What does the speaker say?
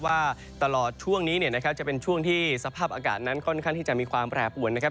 ว่าตลอดช่วงนี้เนี่ยนะครับจะเป็นช่วงที่สภาพอากาศนั้นค่อนข้างที่จะมีความแปรปวนนะครับ